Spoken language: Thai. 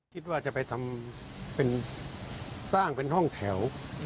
คิดว่าจะไปสร้างเป็นห้องแถว